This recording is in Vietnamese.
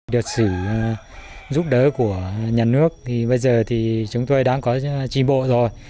được sử giúp đỡ của nhà nước thì bây giờ thì chúng tôi đã có tri bộ rồi